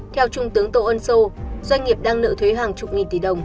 theo trung tướng tô ân sô doanh nghiệp đang nợ thuế hàng chục nghìn tỷ đồng